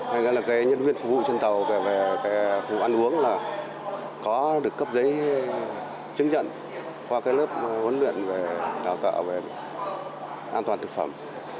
hay nữa là cái nhân viên phục vụ trên tàu về cái khu ăn uống là có được cấp giấy chứng nhận qua cái lớp huấn luyện về đào tạo về an toàn thực phẩm